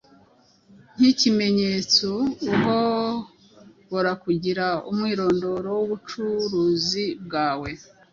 Nkikimenyeto, uhobora kugira umwirondoro wubucuruzi bwawe